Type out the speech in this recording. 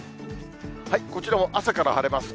こちらも朝から晴れます。